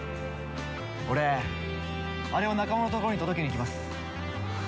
俺あれを仲間のところに届けにいきます。